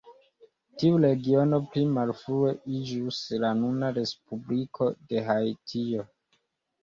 Tiu regiono pli malfrue iĝus la nuna Respubliko de Haitio.